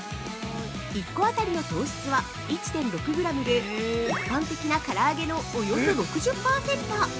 １個当たりの糖質は１．６グラムで一般的な唐揚げのおよそ６０％。